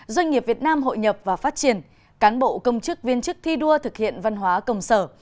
doanh nghiệp việt nam hội nhập và phát triển cán bộ công chức viên chức thi đua thực hiện văn hóa công sở